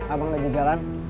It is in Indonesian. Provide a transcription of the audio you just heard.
abang lagi jalan